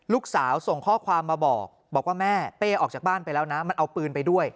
ส่งข้อความมาบอกบอกว่าแม่เป้ออกจากบ้านไปแล้วนะมันเอาปืนไปด้วย